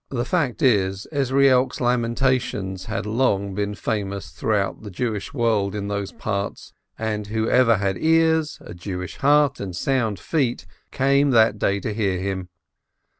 The fact is, Ezrielk's Lamentations had long been famous through out the Jewish world in those parts, and whoever had ears, a Jewish heart, and sound feet, came that day to hear him.